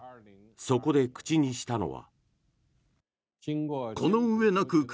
そこで口にしたのは。